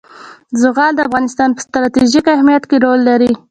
زغال د افغانستان په ستراتیژیک اهمیت کې رول لري.